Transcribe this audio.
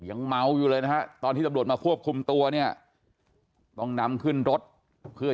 ยังไม้ตอนที่อบรวจมาควบคุมตัวเนี่ยต้องนำคืนรถเพื่อ